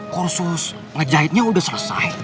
kursus ngejahitnya udah selesai